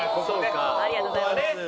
ありがとうございます。